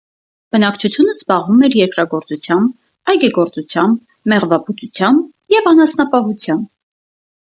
Բնակչությունը զբաղվում էր երկրագործությամբ, այգեգործությամբ, մեղվաբուծությամբ և անասնապահությամբ։